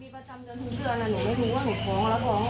เพื่อมารู้ต้องอย่างนี้